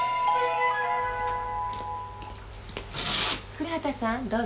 ・古畑さんどうぞ。